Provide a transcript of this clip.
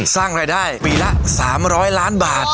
สร้างรายได้ปีละ๓๐๐ล้านบาท